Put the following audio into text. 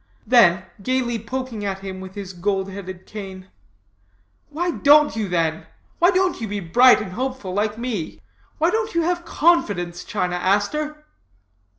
Then, gayly poking at him with his gold headed cane, 'Why don't you, then? Why don't you be bright and hopeful, like me? Why don't you have confidence, China Aster?